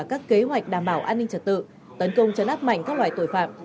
các kế hoạch đảm bảo an ninh trật tự tấn công chấn áp mạnh các loại tội phạm